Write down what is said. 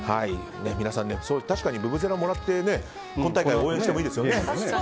皆さん、確かにブブゼラもらって今大会応援してもいいですよ。